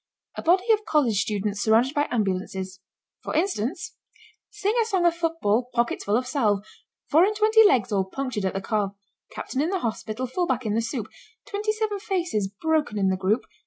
A body of college students surrounded by ambulances. For instance: Sing a song of football Pockets full of salve; Four and twenty legs all Punctured at the calve. Captain in the hospital Fullback in the soup, Twenty seven faces Broken in the group.